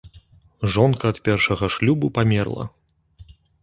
Жонка ад першага шлюбу памерла.